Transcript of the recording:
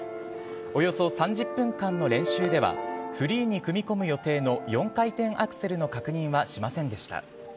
およそ３０分間の練習ではフリーに組み込む予定の４回転アクセルの確認はしませんでした。